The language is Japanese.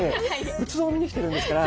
仏像を見に来てるんですから！